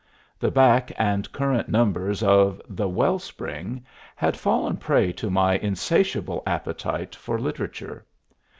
The back and current numbers of the "Well Spring" had fallen prey to my insatiable appetite for literature.